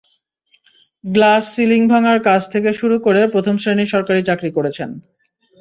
Glass ceiling ভাঙার কাজ থেকে শুরু করে প্রথম শ্রেণীর সরকারি চাকরি করেছেন।